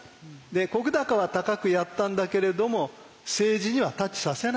石高は高くやったんだけれども政治にはタッチさせないという。